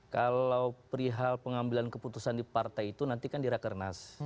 kalau perihal pengambilan keputusan di partai itu nanti kan di rakernas